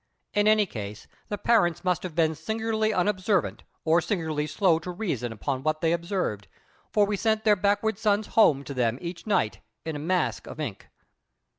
In any case, the parents must have been singularly unobservant or singularly slow to reason upon what they observed; for we sent their backward sons home to them each night in a mask of ink.